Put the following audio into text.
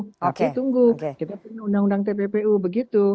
tapi tunggu kita punya undang undang tppu begitu